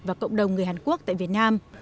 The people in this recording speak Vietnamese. và cộng đồng người hàn quốc tại việt nam